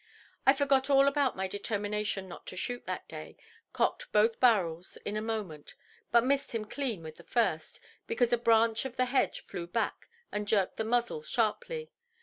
I forgot all about my determination not to shoot that day, cocked both barrels in a moment, but missed him clean with the first, because a branch of the hedge flew back and jerked the muzzle sharply.